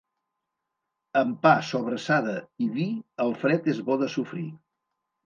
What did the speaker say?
Amb pa sobrassada i vi el fred és bo de sofrir.